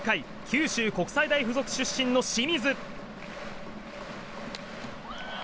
九州国際大付属出身の清水。